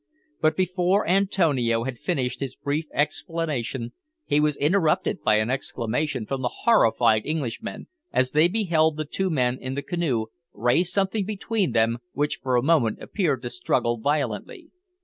But before Antonio had finished his brief explanation he was interrupted by an exclamation from the horrified Englishmen, as they beheld the two men in the canoe raise something between them which for a moment appeared to struggle violently.